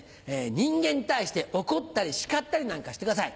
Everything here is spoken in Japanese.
人間に対して怒ったり叱ったりなんかしてください。